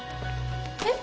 えっ？